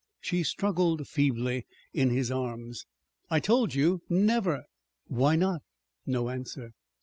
She struggled feebly in his arms. "I told you; never." "Why not?" No answer.